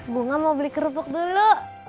gue nggak mau beli kerupuk dulu